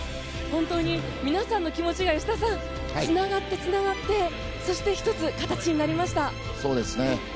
皆さんの気持ちがつながって、つながって１つの形になりました。